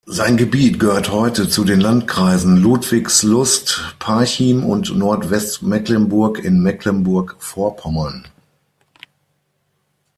Sein Gebiet gehört heute zu den Landkreisen Ludwigslust-Parchim und Nordwestmecklenburg in Mecklenburg-Vorpommern.